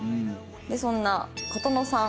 そんな琴之さん。